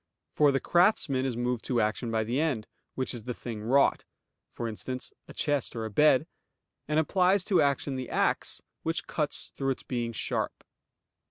For the craftsman is moved to action by the end, which is the thing wrought, for instance a chest or a bed; and applies to action the axe which cuts through its being sharp.